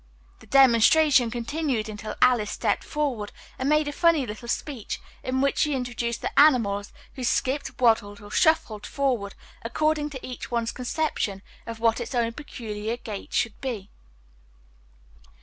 The demonstration continued until Alice stepped forward and made a funny little speech, in which she introduced the animals, who skipped, waddled or shuffled forward according to each one's conception of what its own peculiar gait should be.